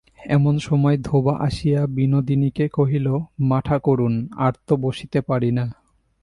এমন সময় ধোবা আসিয়া বিনোদিনীকে কহিল, মাঠাকরুন, আর তো বসিতে পারি না।